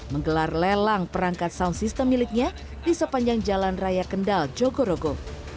menggelar lelang perangkat sound system miliknya di sepanjang jalan raya kendal jogorogo